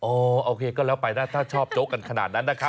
โอเคก็แล้วไปนะถ้าชอบโจ๊กกันขนาดนั้นนะครับ